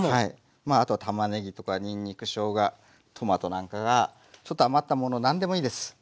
まああとはたまねぎとかにんにくしょうがトマトなんかがちょっと余ったものなんでもいいです。